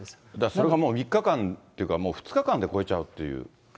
それがもう３日間っていうか、２日間で超えちゃうっていう。